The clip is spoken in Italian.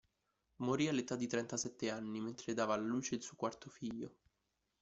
Morì all'età di trentasette anni, mentre dava alla luce il suo quarto figlio.